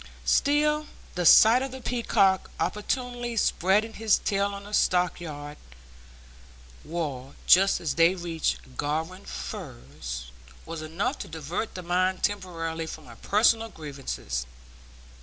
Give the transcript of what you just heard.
Still, the sight of the peacock opportunely spreading his tail on the stackyard wall, just as they reached Garum Firs, was enough to divert the mind temporarily from personal grievances.